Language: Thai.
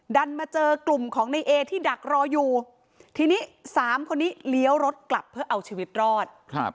ดันมาเจอกลุ่มของในเอที่ดักรออยู่ทีนี้สามคนนี้เลี้ยวรถกลับเพื่อเอาชีวิตรอด